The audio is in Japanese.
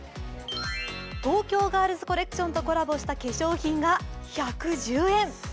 東京ガールズコレクションとコラボした化粧品が１１０円。